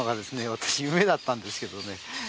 私、夢だったんですけどね